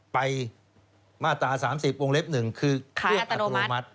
ไปมาตรา๓๐วงเล็บ๑คือเรียกอัตโนมัติ